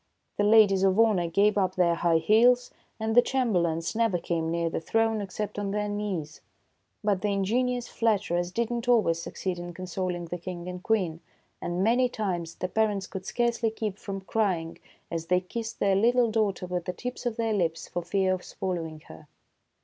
The ladies of honor gave up their high heels, and the chamberlains never came near the throne except on their knees. But the ingenious flatterers did not always succeed in consoling the King and Queen, and many times the parents could scarcely keep from crying as they kissed their little daughter with the tips of their lips for fear of swallowing her.